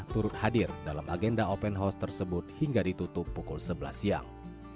turut hadir dalam agenda open house tersebut hingga ditutup pukul sebelas siang